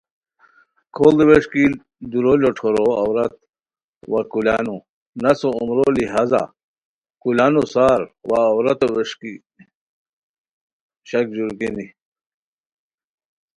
کھوڑی ووݰکی دُورو لوٹھورو عورت وا کولانو نسو عمرو لحاظہ کولانو سار وا عورتو ووݰکی شک ژورگینی